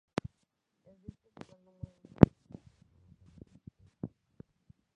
El disco llegó al número uno de la lista alemana de ventas de discos.